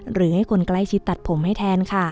หรือให้คนใกล้ชิดตัดผมให้แทนค่ะ